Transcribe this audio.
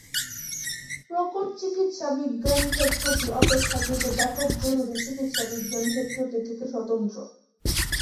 প্রকট চিকিৎসাবিজ্ঞান ক্ষেত্রটি অপেক্ষাকৃত ব্যাপক জরুরি চিকিৎসাবিজ্ঞান ক্ষেত্রটি থেকে স্বতন্ত্র।